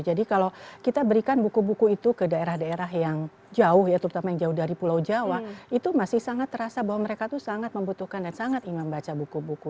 jadi kalau kita berikan buku buku itu ke daerah daerah yang jauh ya terutama yang jauh dari pulau jawa itu masih sangat terasa bahwa mereka itu sangat membutuhkan dan sangat ingin membaca buku buku